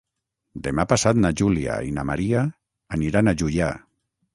Demà passat na Júlia i na Maria aniran a Juià.